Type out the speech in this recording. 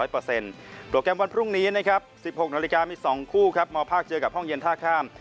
โปรแกรมวันพรุ่งนี้นะครับ๑๖นาฬิกามี๒คู่ครับมภาคเจอกับห้องเย็นท่าข้าม